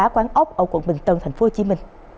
quán ốc ở quận bình tân tp hcm